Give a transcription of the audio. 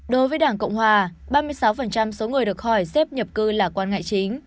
đối với đảng cộng hòa ba mươi sáu số người được hỏi xếp nhập cư là quan ngại chính